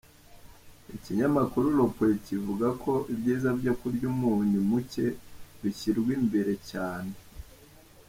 Ikinyamakuru le Point kivuga ko ibyiza byo kurya umunyu muke bishyirwa imbere cyane.